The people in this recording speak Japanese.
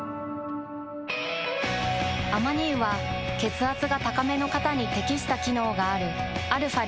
アマニ油は血圧が高めの方に適した機能があるαー